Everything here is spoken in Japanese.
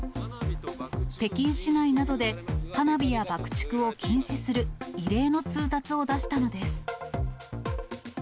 北京市内などで花火や爆竹を禁止する、異例の通達を出したのです。